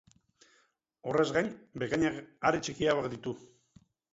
Horrez gain, bekainak are txikiagoak ditu.